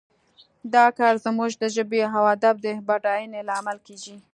دا کار زموږ د ژبې او ادب د بډاینې لامل کیږي